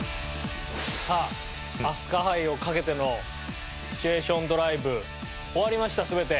さあ飛鳥杯をかけてのシチュエーションドライブ終わりました全て。